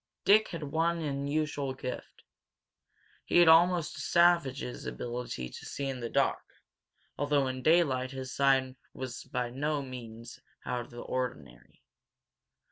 Dick had one unusual gift. He had almost a savage's ability to see in the dark, although in daylight his sight was by no means out of the ordinary.